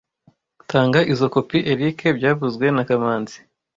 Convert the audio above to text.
Tanga izoi kopi Eric byavuzwe na kamanzi